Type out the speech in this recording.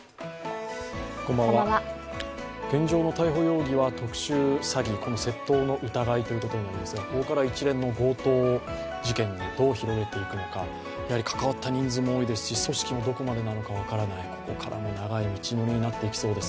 現状の逮捕容疑は特殊詐欺、窃盗の疑いということになりますがここから一連の強盗事件にどう広がっていくのか、関わった人数も多いですし、組織もどこまでか分からない、ここからも長い道のりになっていきそうです。